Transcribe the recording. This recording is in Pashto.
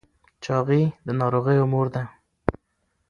چاقي د ناروغیو مور ده.